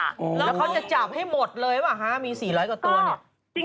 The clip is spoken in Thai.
แล้วเขาจะจับให้หมดเลยป่ะฮะมีสี่ร้อยกว่าตัวเนี่ย